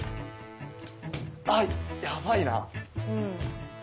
あやばいな。